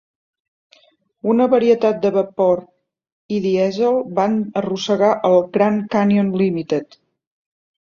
Una varietat de vapor i dièsel van arrossegar el "Grand Canyon Limited".